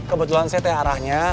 kebetulan saya teh arahnya